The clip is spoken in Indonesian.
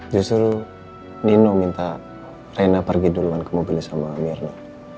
justru nino minta rena pergi duluan ke mobilnya sama mirna